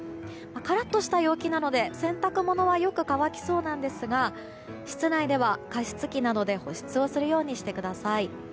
カラッとした陽気なので洗濯物はよく乾きそうなんですが室内では加湿器などで保湿をするようにしてください。